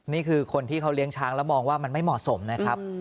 นี่คือคนที่เขาเลี้ยงช้างแล้วมองว่ามันไม่เหมาะสมนะครับ